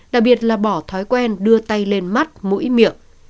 đặc biệt là bỏ thói quen đưa tay lên mắt mũi miệng